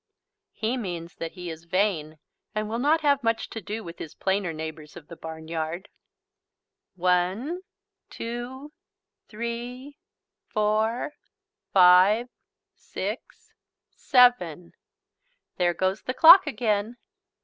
He means that he is vain and will not have much to do with his plainer neighbours of the barnyard "One, two, three, four, five, six, seven." There goes the clock again.